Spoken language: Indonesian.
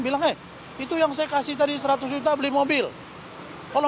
bilang eh itu yang saya kasih tadi seratus juta beli mobil